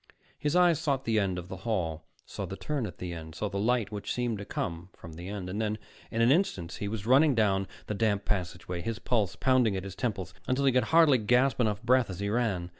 His eyes sought the end of the hall, saw the turn at the end, saw the light which seemed to come from the end; and then in an instant he was running down the damp passageway, his pulse pounding at his temples, until he could hardly gasp enough breath as he ran.